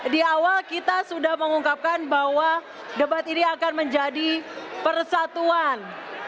di awal kita sudah mengungkapkan bahwa debat ini akan menjadi persatuan